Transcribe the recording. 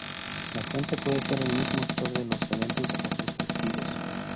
La fuente puede ser el mismo actor de los eventos o sus testigos.